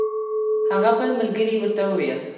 هغه بل ملګري یې ورته وویل.